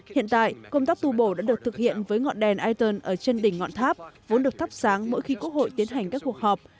hiện tại công tác tu bổ đã được thực hiện với ngọn đèn iton ở chân đỉnh ngọn tháp vốn được thắp sáng mỗi khi quốc hội tiến hành các cuộc họp